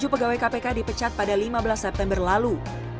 tujuh pegawai kpk dipecat pada lima belas september lalu